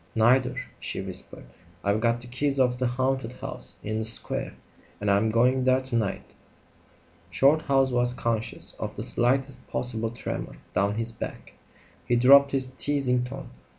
"Neither," she whispered. "I've got the keys of the haunted house in the square and I'm going there to night." Shorthouse was conscious of the slightest possible tremor down his back. He dropped his teasing tone.